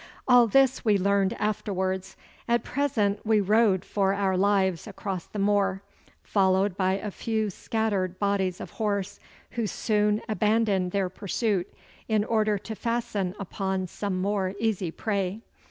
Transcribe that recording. All this we learned afterwards. At present we rode for our lives across the moor, followed by a few scattered bodies of horse, who soon abandoned their pursuit in order to fasten upon some more easy prey.